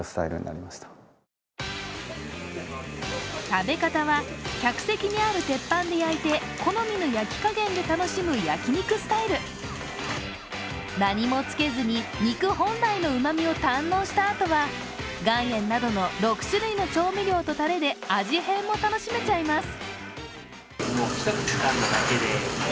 食べ方は客席にある鉄板で焼いて何もつけずに肉本来のうまみを堪能したあとは、岩塩などの６種類の調味料とタレで味変も楽しめちゃいます。